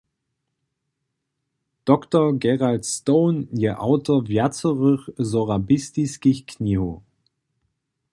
Dr. Gerald Stone je awtor wjacorych sorabistiskich knihow.